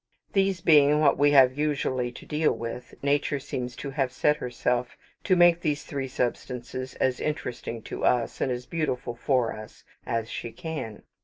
These being what we have usually to deal with, Nature seems to have set herself to make these three substances as interesting to us, and as beautiful for us, as she can.